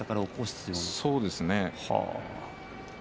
そうです。